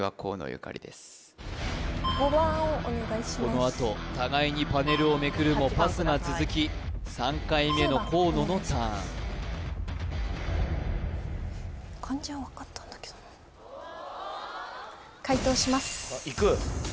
このあと互いにパネルをめくるもパスが続き３回目の河野のターン解答しますあっいく？